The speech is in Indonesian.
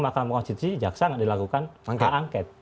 mahkamah konstitusi jaksa nggak dilakukan hak angket